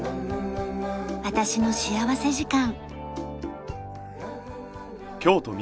『私の幸福時間』。